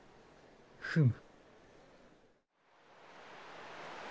フム。